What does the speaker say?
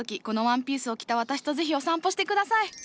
このワンピースを着た私と是非お散歩して下さい。